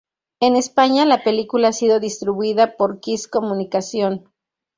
En España la película ha sido distribuida por Kiss Comunicación.